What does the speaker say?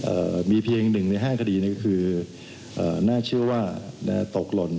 เอ่อมีเพียงหนึ่งในห้าคดีนี้คือเอ่อน่าเชื่อว่านะฮะตกหล่น